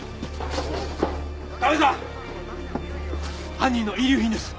犯人の遺留品です。